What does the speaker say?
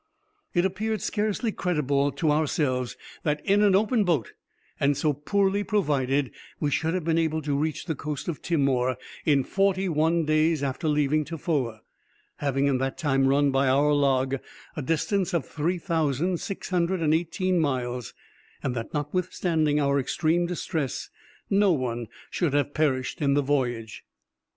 It appeared scarcely credible to ourselves that, in an open boat, and so poorly provided, we should have been able to reach the coast of Timor in forty one days after leaving Tofoa, having in that time run, by our log, a distance of 3618 miles and that, notwithstanding our extreme distress, no one should have perished in the voyage.